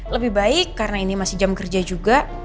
lebih baik karena ini masih jam kerja juga